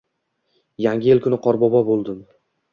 Yangi yil kuni Qorbobo bo`ldim